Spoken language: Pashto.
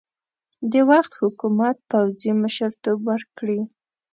د وخت حکومت پوځي مشرتوب ورکړي.